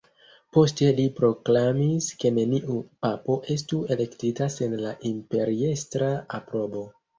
Poste li proklamis ke neniu papo estu elektita sen la imperiestra aprobo.